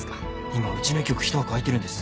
今うちの医局ひと枠空いてるんです。